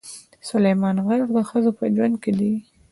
سلیمان غر د ښځو په ژوند کې دي.